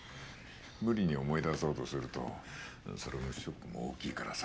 無理に思い出そうとするとその分ショックも大きいからさ。